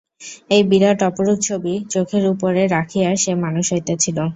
এই বিরাট অপরূপ ছবি চোখের উপরে রাখিয়া সে মানুষ হইতেছিল।